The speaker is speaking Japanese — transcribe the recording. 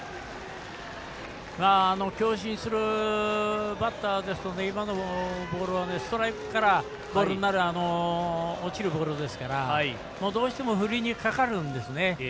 強振するバッターですと今のボールはストライクからボールになる落ちるボールですからどうしても振りにかかるんですね。